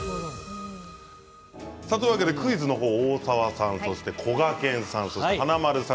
クイズ、大沢さんこがけんさん、そして華丸さん